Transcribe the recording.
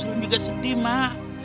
sulam juga sedih mak